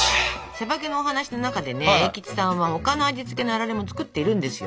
「しゃばけ」のお話の中でね栄吉さんは他の味付けのあられも作ってるんですよ。